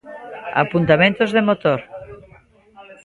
Apuntamentos de motor.